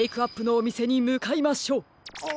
お！